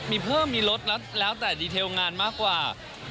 มีเพิ่มมีลดแล้วแต่ดีเทลงานมากกว่า